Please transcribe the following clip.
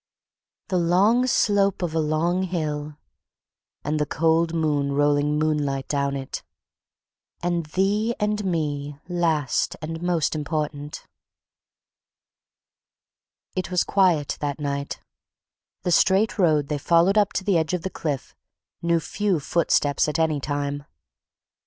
"The long slope of a long hill." "And the cold moon rolling moonlight down it." "And thee and me, last and most important." It was quiet that night—the straight road they followed up to the edge of the cliff knew few footsteps at any time.